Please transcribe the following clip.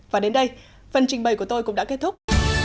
và đến đây phần trình bày của tôi cũng đã kết thúc